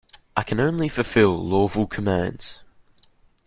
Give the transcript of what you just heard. I can only fulfil lawful commands.